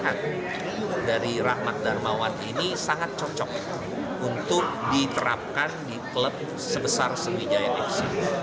dan saya pikir dari rahmat darbawan ini sangat cocok untuk diterapkan di klub sebesar sriwijaya fc